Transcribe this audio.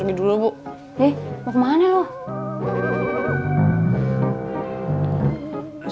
langsung gua j negativity